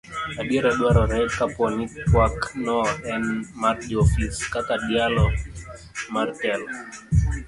adiera dwarore kapo ni twak no en mar joofis kaka dialo mar telo